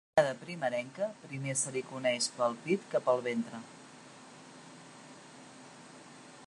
La prenyada primerenca primer se li coneix pel pit que pel ventre.